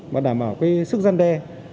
và đảm bảo cái sức gian đe